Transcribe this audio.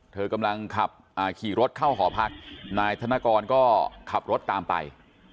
เธอกำลังขับขี่รถเข้าหอพักนายธนกรก็ขับรถตามไป